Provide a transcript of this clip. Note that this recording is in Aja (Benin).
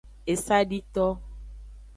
Esadito.